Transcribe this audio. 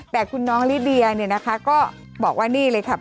แต่คุณน้องลิเดียเนี่ยนะคะก็บอกว่านี่เลยค่ะ